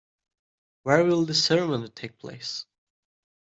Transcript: Where will the ceremony take place?